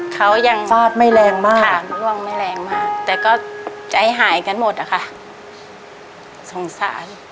เขายังฟาดไม่แรงมากค่ะล่วงไม่แรงมากแต่ก็ใจหายกันหมดอะค่ะสงสาร